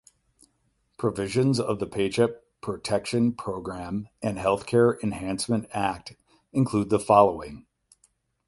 Provisions of the Paycheck Protection Program and Health Care Enhancement Act include the following.